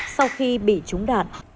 sau khi bị trúng đạn